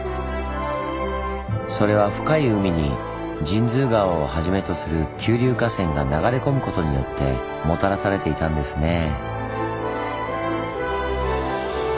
それは深い海に神通川をはじめとする急流河川が流れ込むことによってもたらされていたんですねぇ。